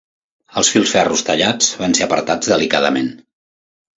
Els filferros tallats van ser apartats delicadament